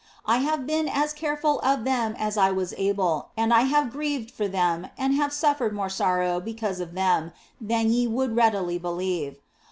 1 have been as careful of them as I was able, and I have grieved for them and have suffered more sorrow because of them than ye would readily believe.